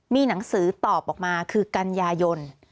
มีหนังสือตอบออกมาคือกันยายน